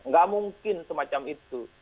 nggak mungkin semacam itu